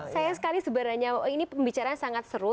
sayang sekali sebenarnya ini pembicaraan sangat seru